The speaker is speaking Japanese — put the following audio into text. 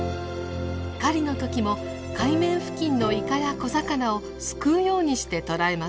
狩りの時も海面付近のイカや小魚をすくうようにして捕らえます。